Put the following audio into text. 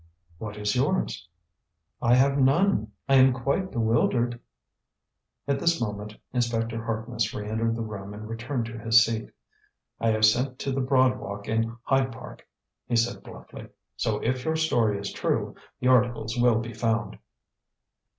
"What is yours?" "I have none. I am quite bewildered." At this moment Inspector Harkness re entered the room and returned to his seat. "I have sent to the Broad Walk in Hyde Park," he said bluffly; "so if your story is true, the articles will be found."